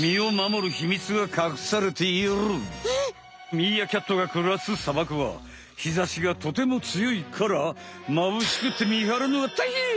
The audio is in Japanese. ミーアキャットがくらす砂漠はひざしがとてもつよいからまぶしくって見はるのがたいへん。